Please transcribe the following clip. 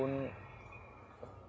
kalau nggak salah enam bulan